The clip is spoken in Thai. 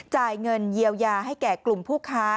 จ่ายเงินเยียวยาให้แก่กลุ่มผู้ค้า